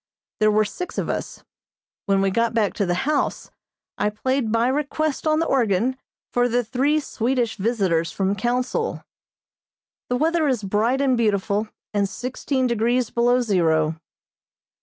There were six of us. When we got back to the house, I played by request on the organ, for the three Swedish visitors from Council. The weather is bright and beautiful, and sixteen degrees below zero.